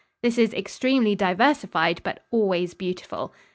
This is extremely diversified but always beautiful.